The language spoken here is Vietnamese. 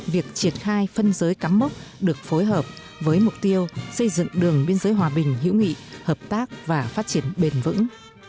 việc triển khai phân giới cắm mốc được phối hợp với mục tiêu xây dựng đường biên giới hòa bình hữu nghị hợp tác và phát triển bền vững